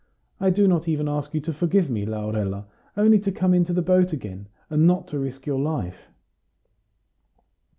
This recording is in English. I do not even ask you to forgive me, Laurella, only to come into the boat again, and not to risk your life!"